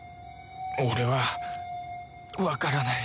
俺はわからない。